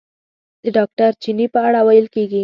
د ډاکټر چیني په اړه ویل کېږي.